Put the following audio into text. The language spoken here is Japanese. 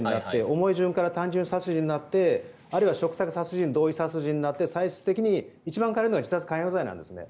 重い順から単純殺人になってあるいは嘱託殺人、同意殺人になって最終的に一番軽いのは自殺関与罪なんですね。